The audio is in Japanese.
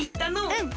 うん。